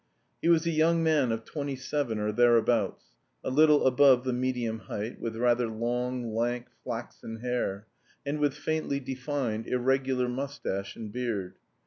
He was a young man of twenty seven or thereabouts, a little above the medium height, with rather long, lank, flaxen hair, and with faintly defined, irregular moustache and beard.